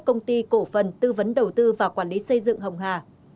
công ty cổ phần tư vấn đầu tư và quản lý xây dựng hồng hà